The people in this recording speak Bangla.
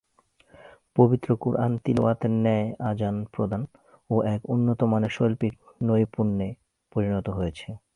পবিত্র কুরআন তিলাওয়াতের ন্যায় আযান প্রদান ও এক উন্নতমানের শৈল্পিক নৈপুণ্যে পরিণত হয়েছে।